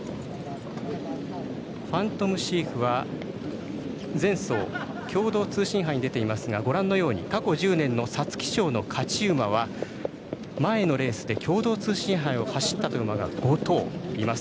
ファントムシーフは、前走共同通信杯に出ていますがご覧のように過去１０年の皐月賞の勝ち馬は、前のレースで共同通信杯を走ったという馬が５頭います。